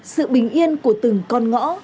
sự bình yên của từng con ngõ